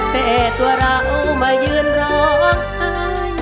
แต่ตัวเรามายืนร้องไห้